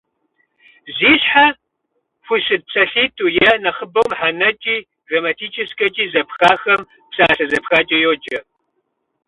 Зи щхьэ хущыт псалъитӏу е нэхъыбэу мыхьэнэкӏи грамматическэкӏи зэпхахэм псалъэ зэпхакӏэ йоджэ.